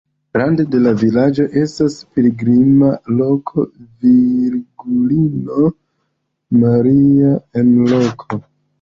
Rande de la vilaĝo estas pilgrima loko virgulino Maria en roko.